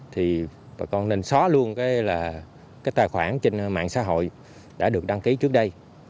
thì bà con nên xóa luôn cái tài khoản trên mạng xã hội đã được đăng ký trước đây